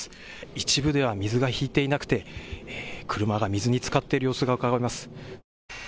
一部では水が引いていなくて車が水につかっている様子がうかがえます。